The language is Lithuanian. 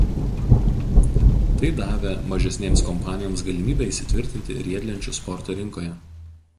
Tai davė mažesnėms kompanijoms galimybę įsitvirtinti riedlenčių sporto rinkoje.